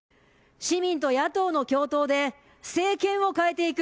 市民と野党の共闘で政権をかえていく。